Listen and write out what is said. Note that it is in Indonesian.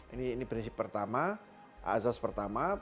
ini prinsip pertama azas pertama